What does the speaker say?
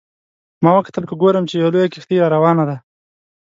ما وکتل که ګورم چې یوه لویه کښتۍ را روانه ده.